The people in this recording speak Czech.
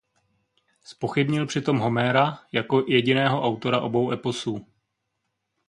Zpochybnil přitom Homéra jako jediného autora obou eposů.